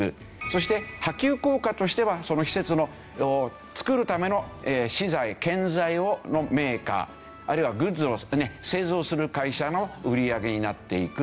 そして波及効果としてはその施設を造るための資材建材のメーカーあるいはグッズを製造する会社の売り上げになっていく。